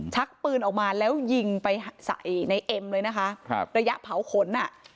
ชักปืนออกมาแล้วยิงไปใส่ในเอ็มเลยนะคะครับระยะเผาขนอ่ะ